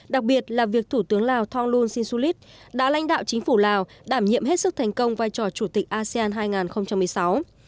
đặc biệt là việc thủ tướng lào thonglun sinsulit đã lãnh đạo chính phủ lào đảm nhiệm hết sức thành công vai trò chủ tịch asean hai nghìn một mươi sáu